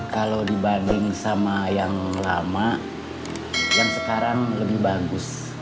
kalau dibanding sama yang lama yang sekarang lebih bagus